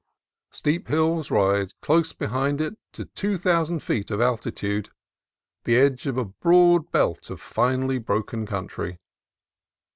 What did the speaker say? Steep hills rise close be hind it to two thousand feet of altitude, the edge of a broad belt of finely broken country.